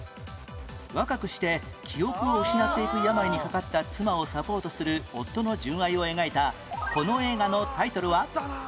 若くして記憶を失っていく病にかかった妻をサポートする夫の純愛を描いたこの映画のタイトルは？